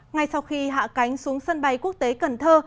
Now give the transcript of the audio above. ngay sau khi hạ cánh xuống sân bay quốc tế cần thơ